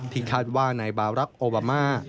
ที่คาดว่าในบารักษ์โอบามา